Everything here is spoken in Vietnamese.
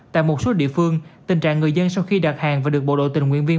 tại một số địa phương tình trạng người dân sau khi đặt hàng và được bộ đội tình nguyện viên